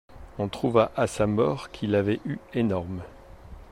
On trouva à sa mort qu'il l'avait eu énorme.